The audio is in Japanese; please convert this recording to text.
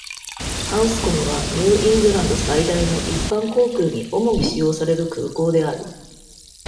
ハンスコムはニューイングランド最大の一般航空に主に使用される空港である。